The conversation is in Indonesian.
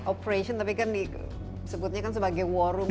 operation tapi kan disebutnya kan sebagai war room